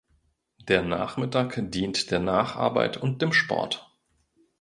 Der Nachmittag dient der Nacharbeit und dem Sport.